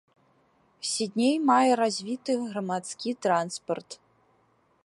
Сідней мае развіты грамадскі транспарт.